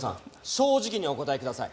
正直にお答えください。